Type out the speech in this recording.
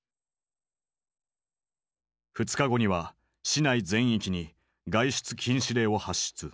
２日後には市内全域に外出禁止令を発出。